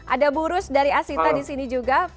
ada burus dari asyta disini juga pak arista